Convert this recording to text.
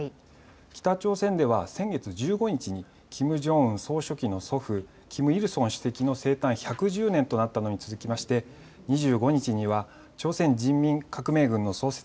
北朝鮮では先月１５日にキム・ジョンウン総書記の祖父、キム・イルソン主席の生誕１１０年となったのに続きまして２５日には朝鮮人民革命軍の創設